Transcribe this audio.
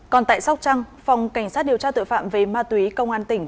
còn tại sóc trăng phòng cảnh sát điều tra tội phạm về ma túy công an tỉnh